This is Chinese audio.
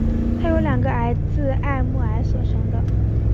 她有两个儿子艾麦尔所生的。